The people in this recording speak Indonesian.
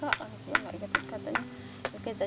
pakai umum yang itu tadi data datanya kan ada